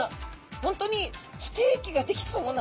本当にステーキができそうな。